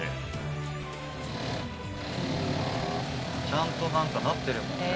ちゃんと何かなってるもんね。